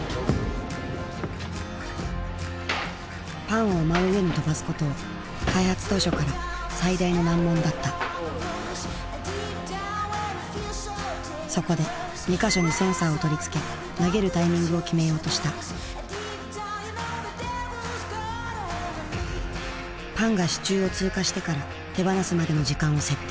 パンを真上に跳ばすことは開発当初から最大の難問だったそこで２か所にセンサーを取り付け投げるタイミングを決めようとしたパンが支柱を通過してから手放すまでの時間を設定